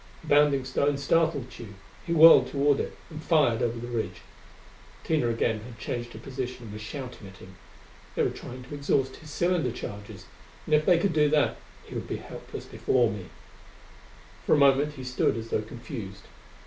The bounding stone startled Tugh; he whirled toward it and fired over the ridge. Tina again had changed her position and was shouting at him. They were trying to exhaust his cylinder charges; and if they could do that he would be helpless before me. For a moment he stood as though confused.